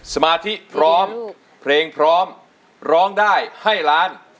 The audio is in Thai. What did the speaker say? สมาธิพร้อมเพลงพร้อมร้องได้ให้ล้าน